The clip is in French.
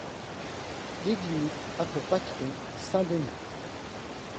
L’église a pour patron saint Denis.